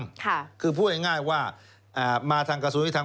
ค่ะคือพูดง่ายว่ามาทางกระทรวงยุติธรรม